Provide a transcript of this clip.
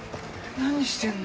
何してんの？